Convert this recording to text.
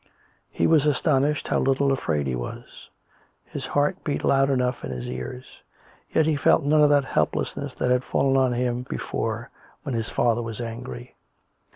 He was astonished how little afraid he was. His heart beat loud enough in his ears ; yet he felt none of that help lessness that had fallen on him before when his father was angry.